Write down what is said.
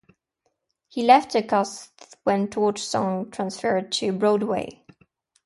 He left the cast when "Torch Song" transferred to Broadway.